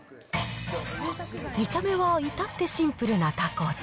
見た目は至ってシンプルなタコス。